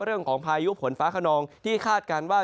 เรื่องของพายุผลฟ้าขนองที่คาดการณ์ว่า